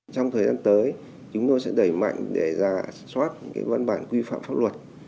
trong thời gian tới chúng tôi sẽ đẩy mạnh để ra soát những văn bản quy phạm pháp luật